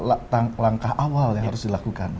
langkah awal yang harus dilakukan